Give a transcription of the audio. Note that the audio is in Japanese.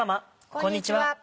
こんにちは。